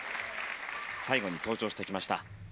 最後に登場してきました。